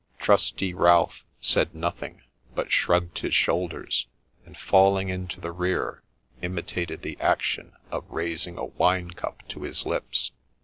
Trusty Ralph said nothing, but shrugged his shoulders ; and, falling into the rear, imitated the action of raising a wine cup to his lips.